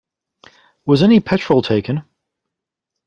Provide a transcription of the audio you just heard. Was any petrol taken?